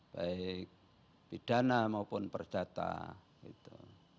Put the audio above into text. baik pidana maupun perdata gitu